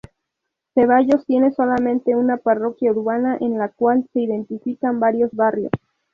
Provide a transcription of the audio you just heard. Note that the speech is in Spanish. Cevallos tiene solamente una parroquia urbana en la cual se identifican varios barrios.